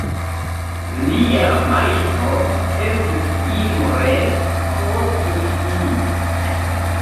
Lia majstro estis Imre Kocsis.